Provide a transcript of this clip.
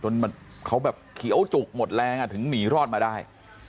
เขาแบบเขียวจุกหมดแรงถึงหนีรอดมาได้